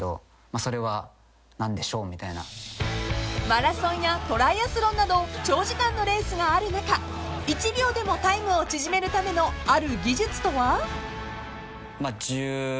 ［マラソンやトライアスロンなど長時間のレースがある中１秒でもタイムを縮めるためのある技術とは？］